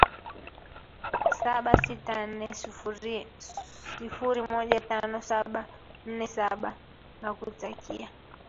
saba sita nne sifuri moja tano saba nne saba nakutakia